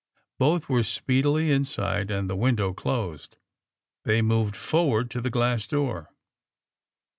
'' Both were speedily inside, and the window closed. They moved forward to the glass door.